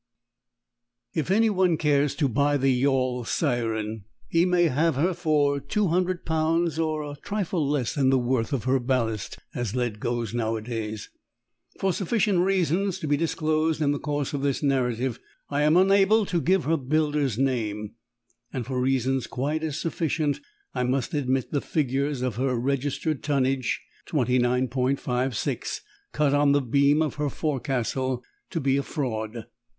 If any one cares to buy the yawl Siren, he may have her for 200 pounds, or a trifle less than the worth of her ballast, as lead goes nowadays. For sufficient reasons to be disclosed in the course of this narrative I am unable to give her builder's name, and for reasons quite as sufficient I must admit the figures of her registered tonnage (29.56), cut on the beam of her forecastle, to be a fraud.